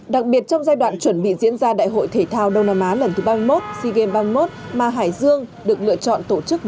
đặc biệt trong giai đoạn chuẩn bị diễn ra đại hội thể thao đông nam á lần thứ ba mươi một